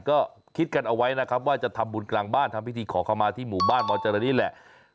ก็คิดกันเอาไว้นะครับว่าจะทำบุญกลางบ้านทำพิธีขอเข้ามาที่หมู่บ้านมจรนี่แหละ